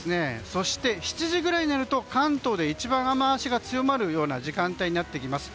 そして７時ぐらいになると関東で一番雨脚が強まる時間帯になってきます。